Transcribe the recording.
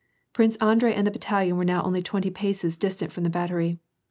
Prince Andrei and the battalion were now only twenty j)aces distant from the battery.